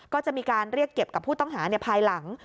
ก็จะมีการเรียกเก็บกับผู้ต้องหาภายหลัง